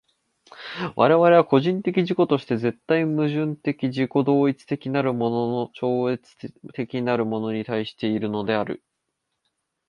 我々は個人的自己として絶対矛盾的自己同一的なるもの超越的なるものに対しているのである。